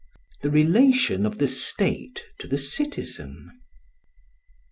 The Relation of the State to the Citizen.